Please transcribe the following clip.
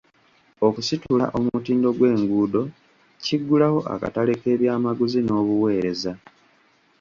Okusitula omutindo gw'enguudo kiggulawo akatale k'ebyamaguzi n'obuweereza.